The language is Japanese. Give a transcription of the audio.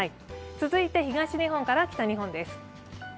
続いて東日本から北日本です。